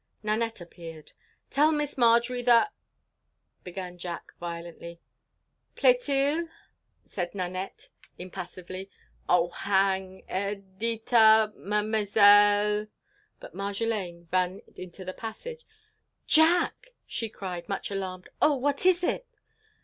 Nanette appeared. "Tell Miss Marjory that—" began Jack, violently. "Plait il?" said Nanette, impassively. "Oh, hang!—Er—deet ah Madermerzell—" But Marjolaine ran into the passage. "Jack!" she cried, much alarmed. "Oh! What is it?"